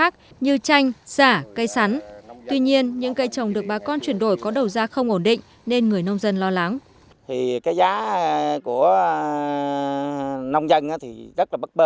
cây trồng được bà con chuyển đổi có đầu giá không ổn định nên người nông dân lo lắng